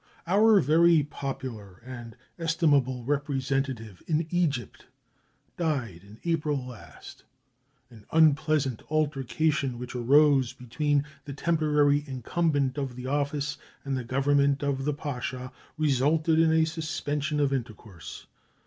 Our very popular and estimable representative in Egypt died in April last. An unpleasant altercation which arose between the temporary incumbent of the office and the Government of the Pasha resulted in a suspension of intercourse.